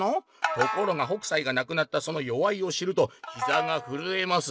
「ところが北斎が亡くなったそのよわいを知るとひざがふるえます！」。